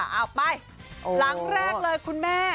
เอาไปหลังแรกเลยคุณแม่